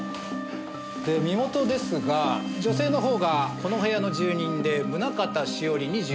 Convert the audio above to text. で身元ですが女性のほうがこの部屋の住人で宗方栞２５歳。